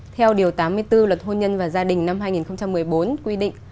theo điều tám mươi bốn luật hôn nhân và gia đình năm hai nghìn một mươi bốn quy định